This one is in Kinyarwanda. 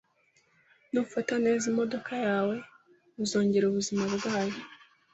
Nufata neza imodoka yawe, uzongera ubuzima bwayo.